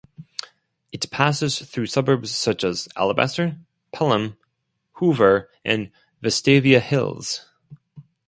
It passes through suburbs such as Alabaster, Pelham, Hoover and Vestavia Hills.